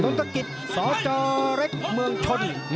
ลนตะกิจสจเล็กมชน